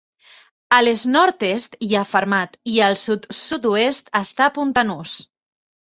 A l'est-nord-est hi ha Fermat, i al sud-sud-oest està Pontanus.